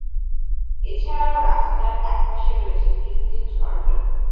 এছাড়াও রাস্তার একপাশে রয়েছে কৃত্রিম ঝরনা।